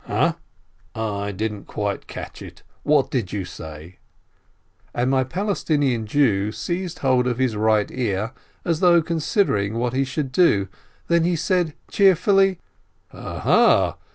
"Ha? I didn't quite catch it. What did you say?" and my Palestinian Jew seized hold of his right ear, as though considering what he should do ; then he said cheerfully: "Ha — aha!